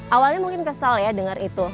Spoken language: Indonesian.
awalnya mungkin kesal ya dengar itu